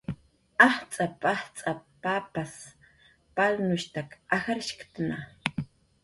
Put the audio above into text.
"Ajtz'ap"" ajtz'ap"" papas palnushtak ajshktna"